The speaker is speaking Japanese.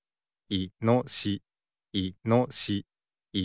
いのしし。